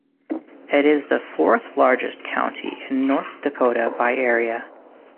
It is the fourth-largest county in North Dakota by area.